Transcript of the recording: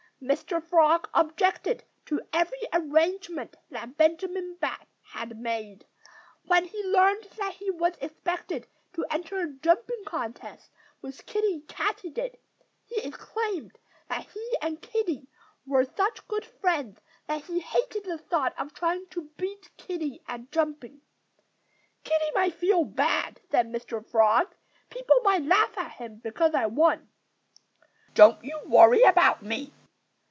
Mr. Frog objected to every arrangement that Benjamin Bat had made. When he learned that he was expected to enter a jumping contest with Kiddie Katydid he exclaimed that he and Kiddie were such good friends that he hated the thought of trying to beat Kiddie at jumping. "Kiddie might feel bad," said Mr. Frog. "People might laugh at him because I won." "Don't you worry about me!"